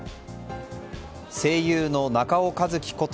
声優の中尾一貴こと